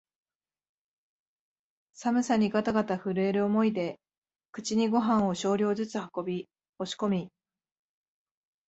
寒さにがたがた震える思いで口にごはんを少量ずつ運び、押し込み、